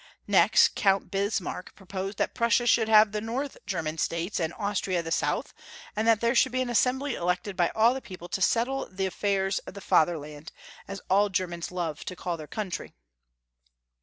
Next Count Bismarck proposed that Prussia should have the North German states, and Austria the South, and that there should be an Assembly elected by all the people to settle the affaii s of the Fatherland, as all Germans love to call their country.